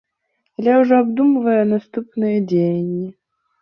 Але ўжо абдумвае наступныя дзеянні.